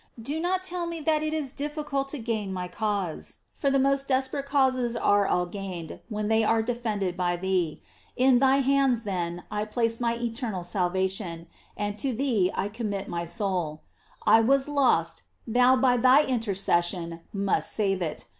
Do not tell me that it is difficult to gain my cause, for the most desperate causes are all gained when they are defended by thee. In thy hands, then, I place my eternal salvation, and to thee I com 772 GLORIES 0T MAKY. mit my soul. It was lost; thou, by thy interces sion, must save it.